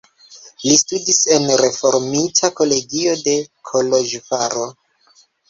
Li studis en reformita kolegio de Koloĵvaro.